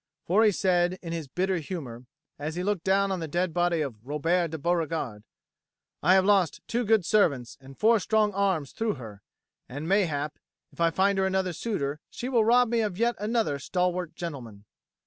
For he said, in his bitter humour, as he looked down on the dead body of Robert de Beauregard: "I have lost two good servants and four strong arms through her; and mayhap, if I find her another suitor, she will rob me of yet another stalwart gentleman."